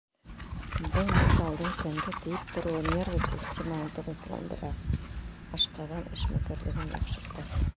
Был металдың тәнгә тейеп тороуы нервы системаһын тынысландыра, ашҡаҙан эшмәкәрлеген яҡшырта.